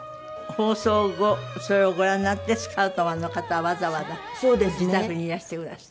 放送後それをご覧になってスカウトマンの方がわざわざ自宅にいらしてくだすった？